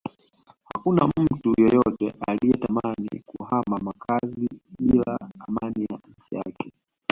Hakuna mtu yeyote anayetamani kuhama makazi bila amani ya nchi yake